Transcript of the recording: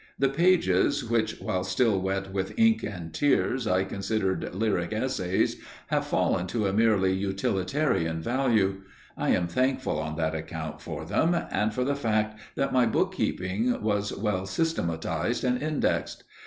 The pages which, while still wet with ink and tears I considered lyric essays, have fallen to a merely utilitarian value. I am thankful, on that account, for them, and for the fact that my bookkeeping was well systematized and indexed.